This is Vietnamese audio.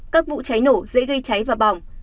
các vụ cháy nổ dễ gây cháy và bỏng